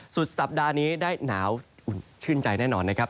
สุดสัปดาห์นี้ได้หนาวอุ่นชื่นใจแน่นอนนะครับ